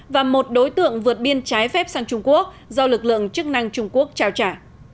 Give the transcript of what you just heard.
và một đối tượng vượt biên trái phép sang trung quốc do lực lượng chức năng trung quốc trao trả